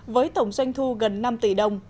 với tổng doanh thu gần năm tỷ đồng